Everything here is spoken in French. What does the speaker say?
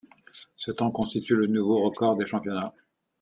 Ce temps constitue le nouveau record des championnats.